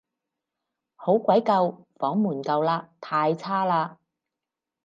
好鬼舊，房門舊嘞，太差嘞